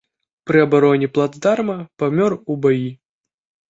Пры абароне плацдарма памёр у баі.